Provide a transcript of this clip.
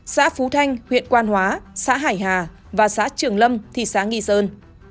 xã phú thanh huyện quan hóa xã hải hà và xã trường lâm thị xã nghi sơn